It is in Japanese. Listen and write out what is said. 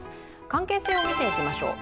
関係性を見ていきましょう。